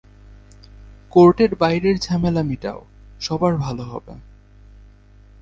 কোর্টের বাইরের ঝামেলা মিটাও, সবার ভালো হবে।